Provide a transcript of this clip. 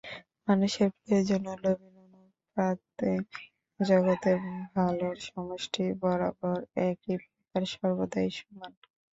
মানুষের প্রয়োজন ও লোভের অনুপাতে জগতে ভালর সমষ্টি বরাবর একই প্রকার, সর্বদাই সমান।